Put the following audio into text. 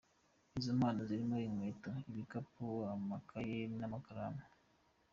Izo mpano zirimo inkweto, ibikapu, amakaye n’ amakaramu.